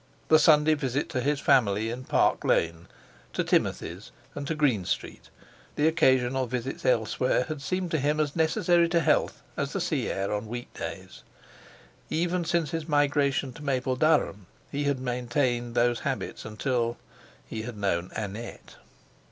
The Sunday visit to his family in Park Lane, to Timothy's, and to Green Street; the occasional visits elsewhere had seemed to him as necessary to health as sea air on weekdays. Even since his migration to Mapledurham he had maintained those habits until—he had known Annette.